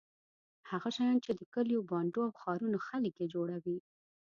هغه شیان چې د کلیو بانډو او ښارونو خلک یې جوړوي.